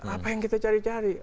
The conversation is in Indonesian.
apa yang kita cari cari